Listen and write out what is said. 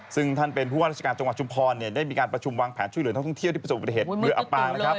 ซึ่งทำเป็นภูมิว่าราชการจชุมภรได้มีการประชุมวางแผนช่วยเหลือท่องเที่ยวที่ประสบประเทศ๑๐๒๒